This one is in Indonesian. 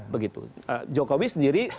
begitu jokowi sendiri